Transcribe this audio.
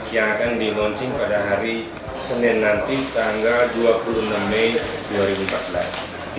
yang akan di launching pada hari senin nanti tanggal dua puluh enam mei dua ribu empat belas